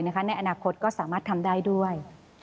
ในอนาคตก็สามารถทำได้ด้วย